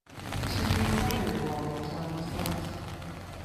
Two "higher" walls are on the slopes.